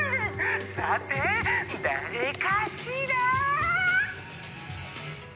さて誰かしら？